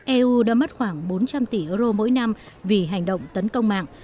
eu đã mất khoảng bốn trăm linh tỷ euro mỗi năm vì hành động tấn công mạng